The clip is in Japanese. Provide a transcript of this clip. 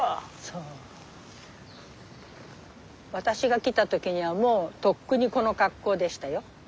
私が来た時はもうとっくにこの格好でしたよ。